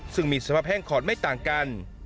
ซึ่งมีสภาพแห้งขอดไม่ต่างกัน